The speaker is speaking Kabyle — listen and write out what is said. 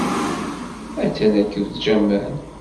Attan akked Jamal.